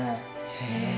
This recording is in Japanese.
へえ。